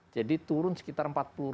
jadi turun sekitar empat puluh